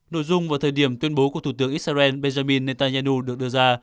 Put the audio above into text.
nội dung vào thời điểm tuyên bố của thủ tướng israel benjamin netanyahu được đưa ra